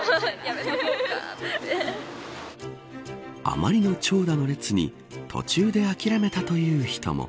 あまりの長蛇の列に途中で諦めたという人も。